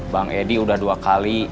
bang edi udah dua kali